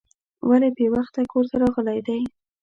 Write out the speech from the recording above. ولې بې وخته کور ته راغلی دی.